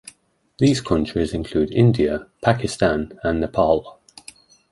These countries include India, Pakistan and Nepal.